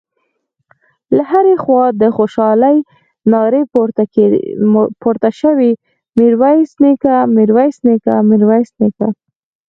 له هرې خوا د خوشالۍ نارې راپورته شوې: ميرويس نيکه، ميرويس نيکه، ميرويس نيکه….